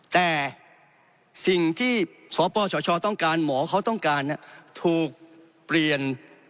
แต่สิ่งที่สปสชต้องการหมอเขาต้องการถูกเปลี่ยน